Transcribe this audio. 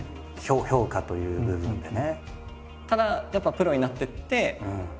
評価という部分でね。